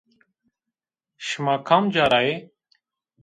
Şima kamca ra yê?